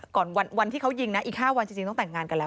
ก่อนวันที่เขายิงนะอีก๕วันจริงต้องแต่งงานกันแล้ว